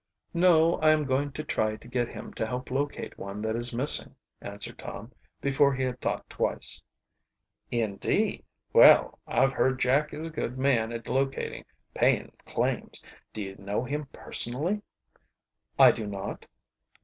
"No, I am going to try to get him to help locate one that is missing," answered Tom, before he had thought twice. "Indeed! Well, I've heard Jack is a good man at locating paying claims. Do you know him personally?" "I do not."